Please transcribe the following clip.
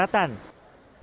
dan beberapa persyaratan